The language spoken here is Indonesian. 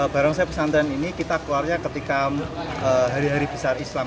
barongsai pesantren ini kita keluarnya ketika hari hari besar islam